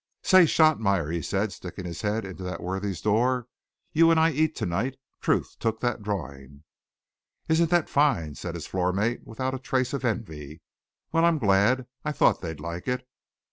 "Say, Shotmeyer," he said, sticking his head in that worthy's door, "you and I eat tonight. Truth took that drawing." "Isn't that fine," said his floor mate, without a trace of envy. "Well, I'm glad. I thought they'd like it."